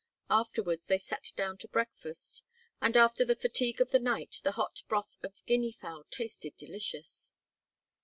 Afterwards they sat down to breakfast, and after the fatigue of the night, the hot broth of guinea fowl tasted delicious.